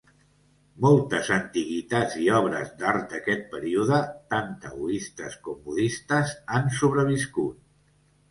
Moltes antiguitats i obres d'art d'aquest període, tant taoistes com budistes, han sobreviscut.